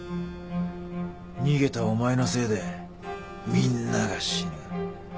逃げたお前のせいでみんなが死ぬ。